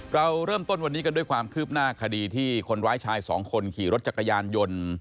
เราเริ่มต้นวันนี้กันด้วยความคืบหน้าคดีที่คนร้ายชายสองคนขี่รถจักรยานยนต์